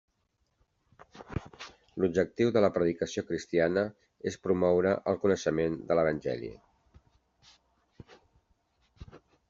L'objectiu de la predicació cristiana és promoure el coneixement de l'Evangeli.